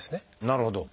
なるほど。